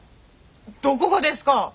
どこがですか！